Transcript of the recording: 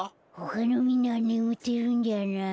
ほかのみんなはねむってるんじゃない？